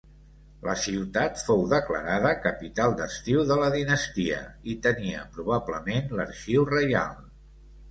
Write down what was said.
La ciutat fou declarada capital d'estiu de la dinastia i tenia probablement l'arxiu reial.